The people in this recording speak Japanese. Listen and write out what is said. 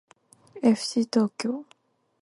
えふしー東京